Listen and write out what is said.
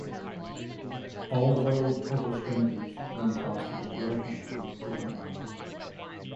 Although total strangers, young Foster was welcomed with open arms.